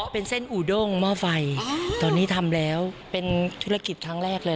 เป็นเส้นอูด้งหม้อไฟตอนนี้ทำแล้วเป็นธุรกิจครั้งแรกเลย